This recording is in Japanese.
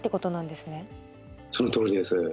そのとおりです。